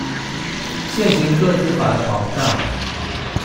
現行個資法的保障